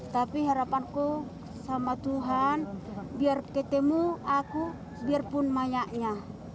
tapi harapanku sama tuhan biar ketemu aku biarpun mayaknya